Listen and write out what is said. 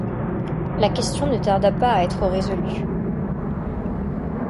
La question ne tarda pas à être résolue.